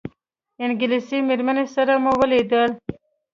انګلیسي مېرمنې سره مو ولیدل.